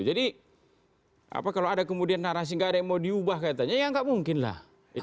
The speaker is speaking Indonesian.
kalau ada kemudian narasi nggak ada yang mau diubah katanya ya nggak mungkin lah